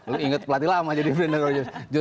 lu inget pelatih lama jadi brendan rodgers